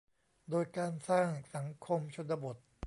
โดยการสร้างสังคมชนบท